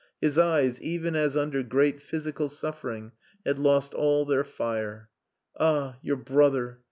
His eyes, even as under great physical suffering, had lost all their fire. "Ah! your brother....